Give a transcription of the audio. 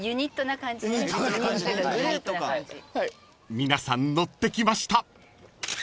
［皆さん乗ってきました］